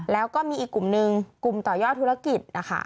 แล้วก็มีอีกกลุ่มหนึ่งกลุ่มต่อยอดธุรกิจนะคะ